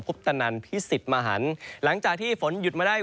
คุพรตนัรพีสิตมาหันหลังจากที่ฝนหยุดมาได้